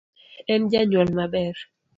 En janyuol maber